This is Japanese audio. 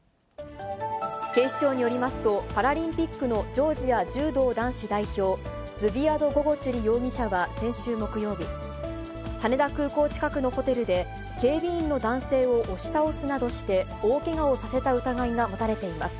警視庁によりますと、パラリンピックのジョージア柔道男子代表、ズヴィアド・ゴゴチュリ容疑者は先週木曜日、羽田空港近くのホテルで、警備員の男性を押し倒すなどして、大けがをさせた疑いが持たれています。